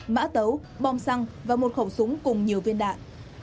mã tấu bom xăng và một khẩu súng cùng nhiều viên đạn